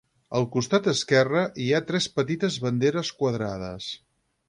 Al costat esquerre, hi ha tres petites banderes quadrades.